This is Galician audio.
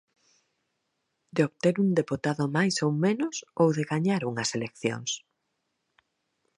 De obter un deputado máis ou menos ou de gañar unhas eleccións?